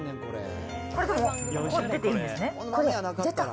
これでも出ていいんですね。